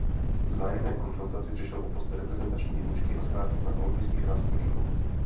Vzájemné konfrontaci přišel o post reprezentační jedničky a start na olympijských hrách v Pekingu.